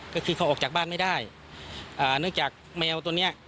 ก็คือเขาออกจากบ้านไม่ได้อ่าเนื่องจากแมวตัวเนี้ย